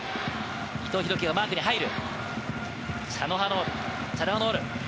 伊藤洋輝がマークに入る。